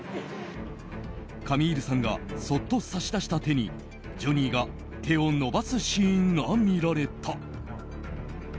カミールさんがそっと差し出した手にジョニーが手を伸ばすシーンが見られた。